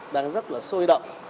đang rất là sôi động